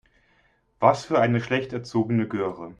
Was für eine schlecht erzogene Göre.